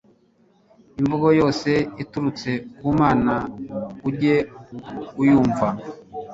imvugo yose iturutse ku mana, ujye uyumva